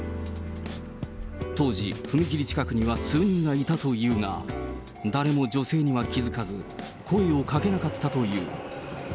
当時、踏切近くには数人がいたというが、誰も女性には気付かず、声をかけなかったという。